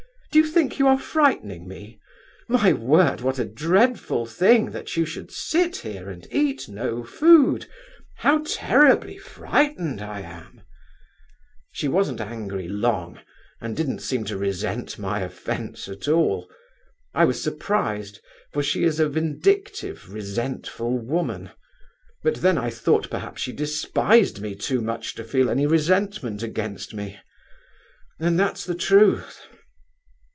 Do you think you are frightening me? My word, what a dreadful thing that you should sit here and eat no food! How terribly frightened I am!' She wasn't angry long, and didn't seem to remember my offence at all. I was surprised, for she is a vindictive, resentful woman—but then I thought that perhaps she despised me too much to feel any resentment against me. And that's the truth.